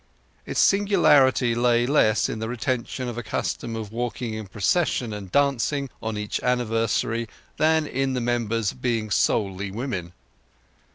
Its singularity lay less in the retention of a custom of walking in procession and dancing on each anniversary than in the members being solely women.